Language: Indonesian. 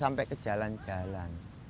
sampai ke jalan jalan